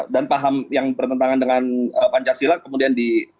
dan paham yang bertentangan dengan pancasila kemudian